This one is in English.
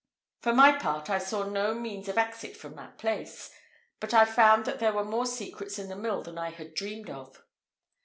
For my part, I saw no means of exit from that place; but I found that there were more secrets in the mill than I had dreamed of.